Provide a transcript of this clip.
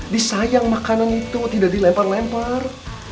disayang makanan itu tidak dilempar lempar